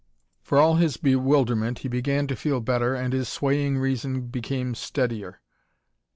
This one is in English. For all his bewilderment he began to feel better and his swaying reason became steadier.